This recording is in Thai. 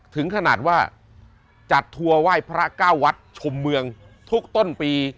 ถึงขนาดว่าจัดทัวร์ไหว้พระเก้าวัดชมเมืองทุกต้นปี